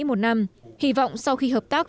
một năm hy vọng sau khi hợp tác